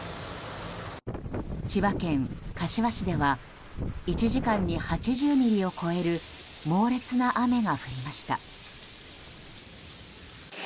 千葉県柏市では１時間に８０ミリを超える猛烈な雨が降りました。